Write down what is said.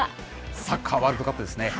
サッカーワールドカップですね。